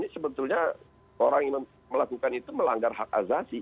sebetulnya orang yang melakukan itu melanggar hak azazi